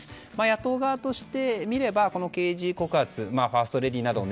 野党側としてみれば刑事告発ファーストレディーなどを